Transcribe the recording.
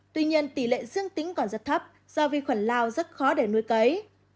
tuy nhiên tỷ lệ dương tính còn rất thấp do vi khuẩn lao rất khó để nuôi cấy